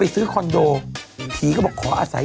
อาศัยอยู่กับผีด้วย